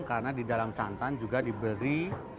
karena di dalam santan juga diberi